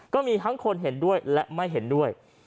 ก็มีทั้งคนเห็นด้วยและไม่เห็นด้วย